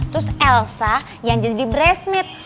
terus elsa yang jadi breast mate